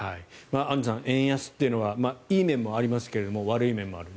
アンジュさん円安というのはいい面もありますけども悪い面もある。